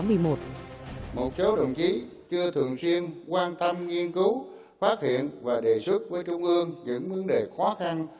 một số đồng chí chưa thường xuyên quan tâm nghiên cứu phát hiện và đề xuất với trung ương những vấn đề khó khăn